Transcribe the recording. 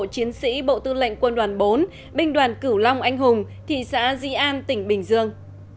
chiến sĩ bộ tư lệnh quân đoàn bốn binh đoàn cửu long anh hùng thị xã dĩ an tỉnh bình dương